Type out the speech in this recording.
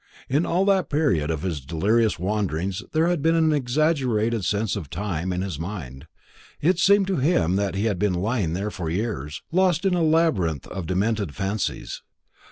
In all that period of his delirious wanderings there had been an exaggerated sense of time in his mind. It seemed to him that he had been lying there for years, lost in a labyrinth of demented fancies.